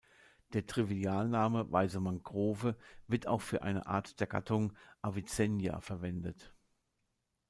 Der Trivialname „Weiße Mangrove“ wird auch für eine Art der Gattung "Avicennia" verwendet.